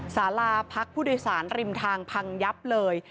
สาลาพักพุทธศาลริมทางพังยับเลย